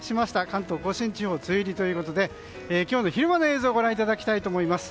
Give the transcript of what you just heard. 関東・甲信梅雨入りということで今日の昼間の映像をご覧いただきたいと思います。